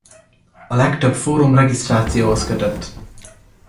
A legtöbb fórum regisztrációhoz kötött.